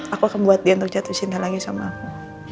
aku akan buat dia jatuh cinta lagi sama aku